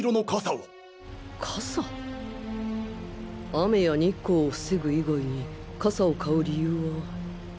雨や日光を防ぐ以外に傘を買う理由は